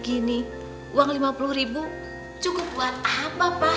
gini uang lima puluh ribu cukup buat apa pak